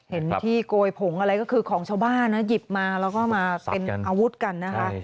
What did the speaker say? เห็นที่โกยผงอะไรก็คือของชาวบ้านนะหยิบมาแล้วก็มาเป็นอาวุธกันนะคะ